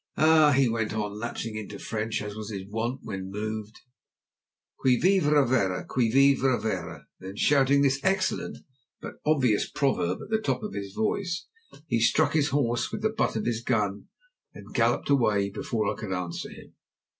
Ah!" he went on, lapsing into French, as was his wont when moved, "qui vivra verra! qui vivra verra!" Then, shouting this excellent but obvious proverb at the top of his voice, he struck his horse with the butt of his gun, and galloped away before I could answer him.